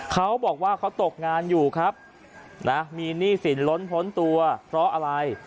เขาบอกว่าเขาตกงานอยู่ครับนะมีหนี้สินล้นพ้นตัวเพราะอะไร